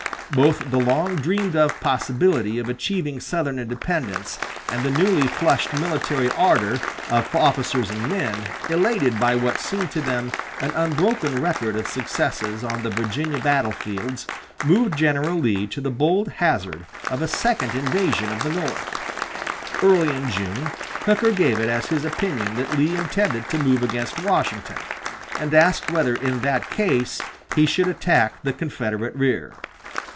Both the long dreamed of possibility of achieving Southern independence and the newly flushed military ardor of officers and men, elated by what seemed to them an unbroken record of successes on the Virginia battle fields moved General Lee to the bold hazard of a second invasion of the North. Early in June, Hooker gave it as his opinion that Lee intended to move against Washington, and asked whether in that case he should attack the Confederate rear.